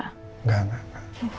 enggak enggak enggak